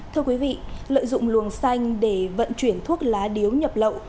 thưa quý vị lợi dụng luồng xanh để vận chuyển thuốc lá điếu nhập lậu